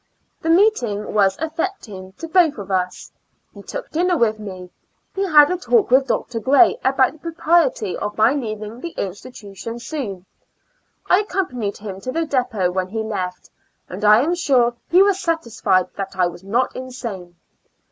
The meeting was affecting to both of us. He took dinner with me. He had a talk with Dr. Gray about the propriety of my leaving the institution soon. I accompa nied him to the depot when he left, and I am sure he was satisfied that I was not insane.